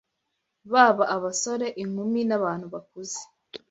Baba abasore, inkumi n’abantu bakuze